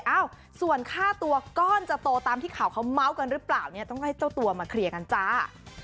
เอ้าส่วนค่าตัวก้อนจะโตตามที่ข่าวเขาเมาส์กันหรือเปล่าเนี่ยต้องให้เจ้าตัวมาเคลียร์กันจ้า